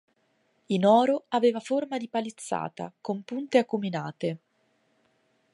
In oro, aveva forma di palizzata, con punte acuminate.